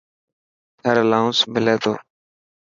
ٿر الاونس ملي تو.